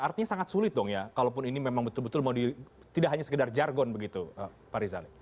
artinya sangat sulit dong ya kalaupun ini memang betul betul mau tidak hanya sekedar jargon begitu pak rizal